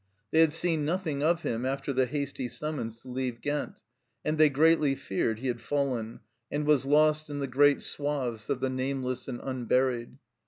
They had seen nothing of him after the hasty summons to leave Ghent, and they greatly feared he had fallen, and was lost in the great swathes of the nameless and unburied.